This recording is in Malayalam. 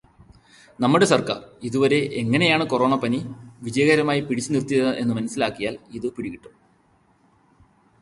നമ്മുടെ സർക്കാർ ഇതുവരെയും എങ്ങനെയാണ് കൊറോണപ്പനി വിജയകരമായി പിടിച്ചു നിർത്തിയത് എന്നു മനസ്സിലാക്കിയാൽ ഇതും പിടികിട്ടും.